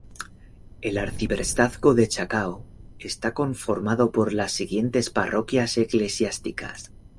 El Arciprestazgo de Chacao está conformado por las siguientes parroquias eclesiásticas.